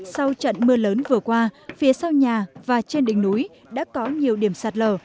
sau trận mưa lớn vừa qua phía sau nhà và trên đỉnh núi đã có nhiều điểm sạt lở